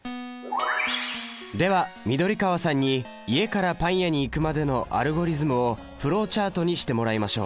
では緑川さんに家からパン屋に行くまでのアルゴリズムをフローチャートにしてもらいましょう。